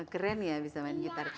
keren ya bisa main gitar